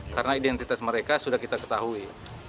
karena identitas mereka sudah kita ketahui